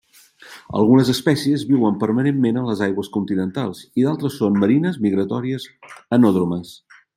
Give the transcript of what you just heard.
Algunes espècies viuen permanentment a les aigües continentals i d'altres són marines migratòries anàdromes.